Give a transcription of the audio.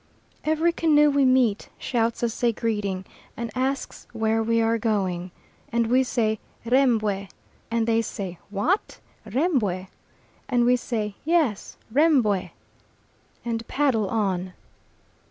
Every canoe we meet shouts us a greeting, and asks where we are going, and we say "Rembwe" and they say "What! Rembwe!" and we say "Yes, Rembwe," and paddle on.